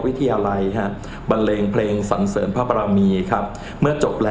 วิทยาลัยฮะบันเลงเพลงสั่นเสริมภาพรมีครับ